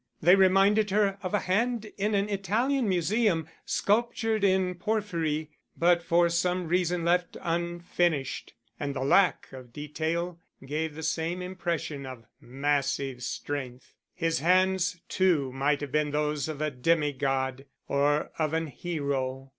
They reminded her of a hand in an Italian Museum, sculptured in porphyry, but for some reason left unfinished; and the lack of detail gave the same impression of massive strength. His hands, too, might have been those of a demi god or of an hero.